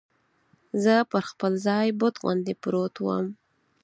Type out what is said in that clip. زه پر خپل ځای بت غوندې پروت ووم.